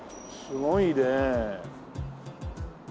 すごいね。